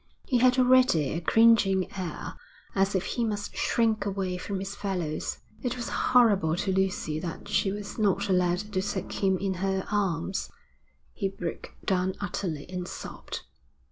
He had already a cringing air, as if he must shrink away from his fellows. It was horrible to Lucy that she was not allowed to take him in her arms. He broke down utterly and sobbed.